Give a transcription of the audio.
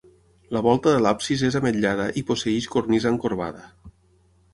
La volta de l'absis és ametllada i posseeix cornisa encorbada.